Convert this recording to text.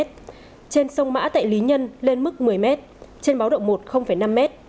trên sông mã tại lý nhân lên mức một mươi m trên báo động một năm m